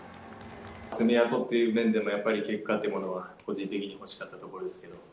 爪痕っていう面でも、やっぱり結果というものが個人的に欲しかったところですけど。